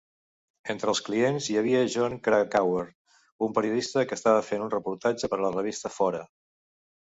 Entre els clients hi havia Jon Krakauer, una periodista que estava fent un reportatge per a la revista "Fora".